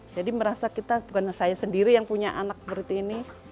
jadi merasa kita bukanlah saya sendiri yang punya anak seperti ini